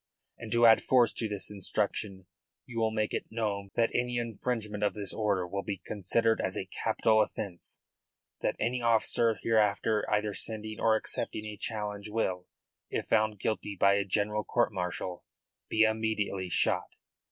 And to add force to this injunction you will make it known that any infringement of this order will be considered as a capital offence; that any officer hereafter either sending or accepting a challenge will, if found guilty by a general court martial, be immediately shot."